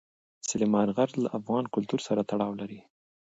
سلیمان غر له افغان کلتور سره تړاو لري.